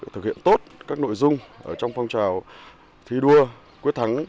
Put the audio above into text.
thực hiện tốt các nội dung trong phong trào thi đua quyết thắng